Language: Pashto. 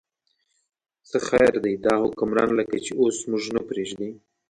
څه خیر دی، دا حکمران لکه چې اوس موږ نه پرېږدي.